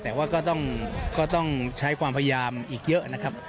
แต่ว่าก็ต้องใช้ความพยายามอีกเยอะนะครับ